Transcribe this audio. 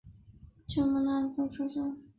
经过莫雷纳等城市。